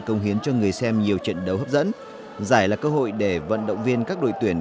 công hiến cho người xem nhiều trận đấu hấp dẫn giải là cơ hội để vận động viên các đội tuyển